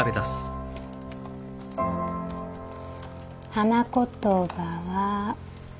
花言葉は。